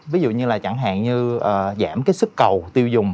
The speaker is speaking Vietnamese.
ví dụ như là chẳng hạn như giảm cái sức cầu tiêu dùng